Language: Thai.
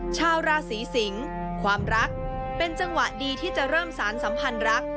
ชาวราศีสิงศ์ความรักเป็นจังหวะดีที่จะเริ่มสารสัมพันธ์รัก